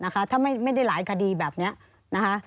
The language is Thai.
ก็ได้หลายคดีแบบนี้นะฮะ